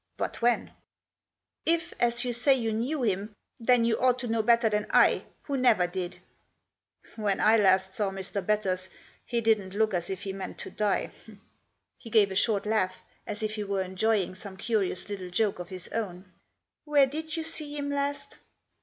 " But when ?"" If, as you say, you knew him, then you ought to know better than I, who never did." " When I last saw Mr. Batters he didn't look as if he meant to die." He gave a short laugh, as if he were enjoying some curious little joke of his own. " Where did you see him last